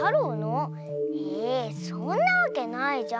えそんなわけないじゃん。